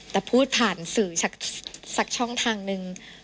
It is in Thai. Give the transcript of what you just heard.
แต่พูดผ่านสื่อสักช่องทางนึง